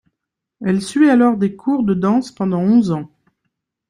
Elle suit alors des cours de danse pendant onze ans.